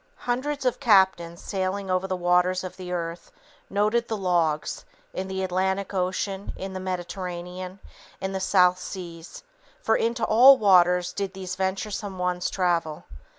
Hundreds of captains, sailing over the waters of the earth, noted the logs, in the Atlantic Ocean, in the Mediterranean, in the South Seas for into all waters did these venturesome ones travel.